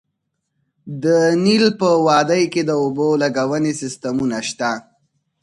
د نیل په وادۍ کې د اوبو لګونې سیستمونه شته